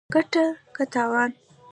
ګټه که تاوان